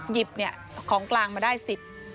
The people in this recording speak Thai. หยิบของกลางมาได้สิทธิ์